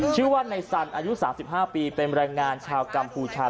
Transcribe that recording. ชื่อว่าในสันอายุ๓๕ปีเป็นแรงงานชาวกัมพูชา